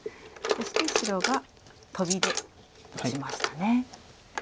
そして白がトビで打ちましたね。